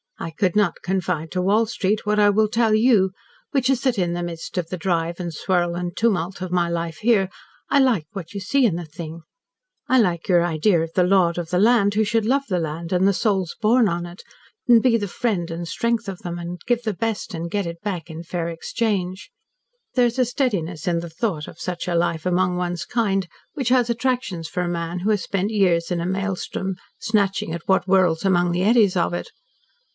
I could not confide to Wall Street what I will tell you which is that in the midst of the drive and swirl and tumult of my life here, I like what you see in the thing, I like your idea of the lord of the land, who should love the land and the souls born on it, and be the friend and strength of them and give the best and get it back in fair exchange. There's a steadiness in the thought of such a life among one's kind which has attractions for a man who has spent years in a maelstrom, snatching at what whirls among the eddies of it.